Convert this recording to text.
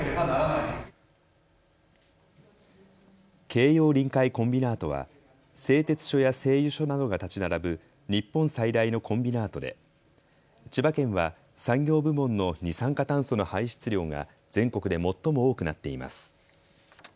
京葉臨海コンビナートは製鉄所や製油所などが建ち並ぶ日本最大のコンビナートで千葉県は産業部門の二酸化炭素の排出量が全国で最も多くなっています。